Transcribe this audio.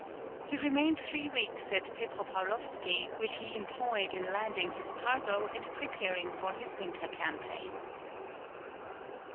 He remained three weeks at Petropaulovsky, which he employed in landing his cargo and preparing for his winter campaign.